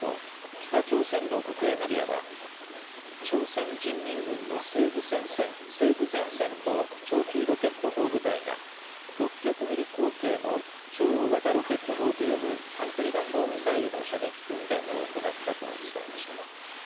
北朝鮮の国営メディアは朝鮮人民軍の西部前線の長距離ロケット砲部隊が６００ミリ口径の超大型ロケット砲と呼ぶ短距離弾道ミサイルの射撃訓練を行ったと伝えました。